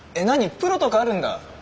プロとかあるんだ？